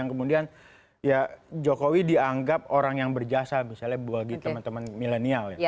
yang kemudian ya jokowi dianggap orang yang berjasa misalnya bagi teman teman milenial